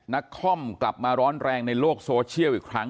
คอมกลับมาร้อนแรงในโลกโซเชียลอีกครั้ง